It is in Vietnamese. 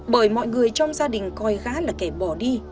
bởi mọi người trong gia đình coi gá là kẻ bỏ đi